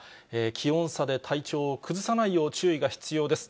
気温差で体調を崩さないよう注意が必要です。